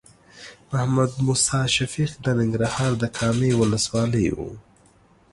محمد موسی شفیق د ننګرهار د کامې ولسوالۍ و.